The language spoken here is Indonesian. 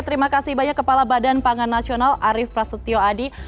terima kasih banyak kepala badan pangan nasional arief prasetyo adi